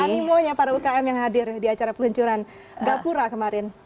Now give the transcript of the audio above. animonya para ukm yang hadir di acara peluncuran gapura kemarin